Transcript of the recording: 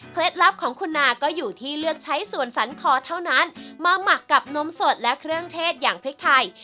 ลับของคุณนาก็อยู่ที่เลือกใช้ส่วนสันคอเท่านั้นมาหมักกับนมสดและเครื่องเทศอย่างพริกไทย